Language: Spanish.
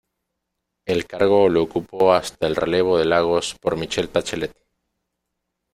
El cargo lo ocupó hasta el relevo de Lagos por Michelle Bachelet.